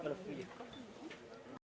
coreoba menjadi telpon um gran yr